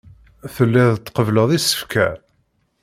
Telliḍ tqebbleḍ isefka.